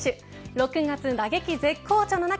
６月打撃絶好調の中